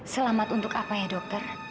selamat untuk apa ya dokter